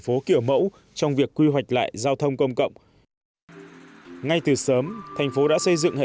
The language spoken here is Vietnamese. phố kiểu mẫu trong việc quy hoạch lại giao thông công cộng ngay từ sớm thành phố đã xây dựng